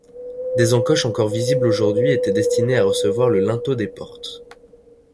Des encoches encore visibles aujourd'hui étaient destinées à recevoir le linteau des portes.